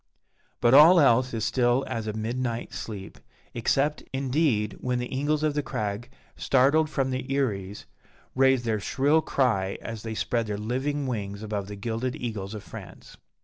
But all else is still as a midnight sleep, except, indeed, when the eagles of the crag, startled from their eyries, raise their shrill cry as they spread their living wings above the gilded eagles of France.